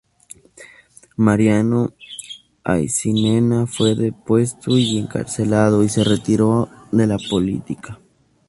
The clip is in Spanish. Mariano Aycinena fue depuesto y encarcelado y se retiró de la política.